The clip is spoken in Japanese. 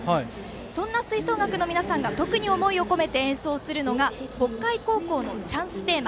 そんな吹奏楽の皆さんが特に思いを込めて応援するのが北海高校のチャンステーマ